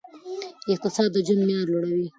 اقتصاد د ژوند معیار لوړوي.